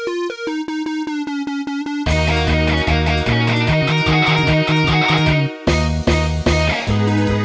โอ้โหนิ้วถึงก็สายหัวเลยครับ